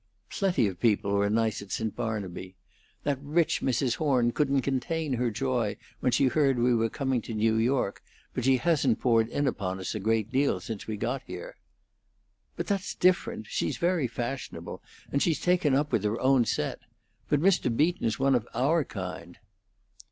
"Plenty of people were nice at St. Barnaby. That rich Mrs. Horn couldn't contain her joy when she heard we were coming to New York, but she hasn't poured in upon us a great deal since we got here." "But that's different. She's very fashionable, and she's taken up with her own set. But Mr. Beaton's one of our kind."